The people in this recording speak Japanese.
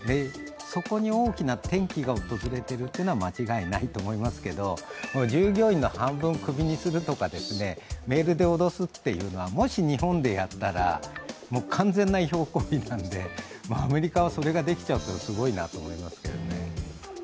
そこに大きな転機が訪れているのは間違いないと思いますけど従業員の半分クビにするとか、メールで脅すというのは、もし日本でやったら完全な違法行為なので、アメリカはそれができちゃうからすごいなと思いますけどね。